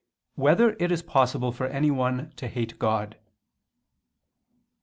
1] Whether It Is Possible for Anyone to Hate God?